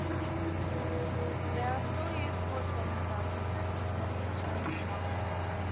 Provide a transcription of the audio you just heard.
They are still used for training purposes in many Chinese martial arts.